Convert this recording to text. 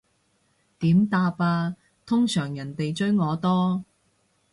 點答啊，通常人哋追我多